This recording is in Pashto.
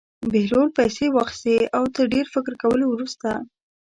بهلول پېسې واخیستې او تر ډېر فکر کولو وروسته.